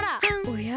おや？